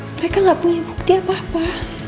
mereka gak punya bukti apa apa